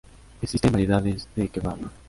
Existen variedades de kebab.